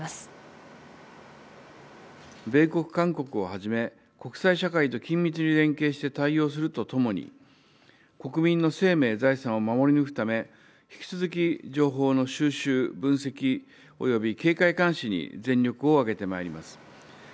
米国、韓国をはじめ国際社会と緊密に連携して対応するとともに、国民の生命、財産を守り抜くため、引き続き情報の収集、分析、および警戒監視に全力を挙げてまいります。